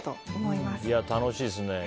いや、楽しいですね。